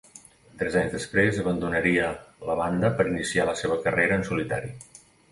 Tres anys després abandonaria la banda per iniciar la seva carrera en solitari.